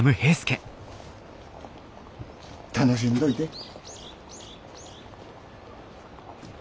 楽しんどいで。